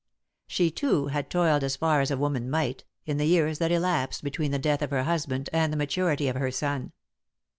She, too, had toiled as far as a woman might, in the years that elapsed between the death of her husband and the maturity of her son.